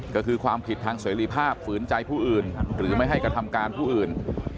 ก็คือความผิดทางเสรีภาพฝืนใจผู้อื่นหรือไม่ให้กระทำการผู้อื่น